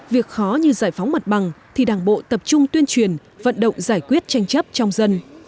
việc khó như giải phóng mặt bằng thì đảng bộ tập trung tuyên truyền vận động giải quyết tranh chấp trong dân